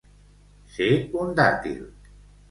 Ser un dàtil.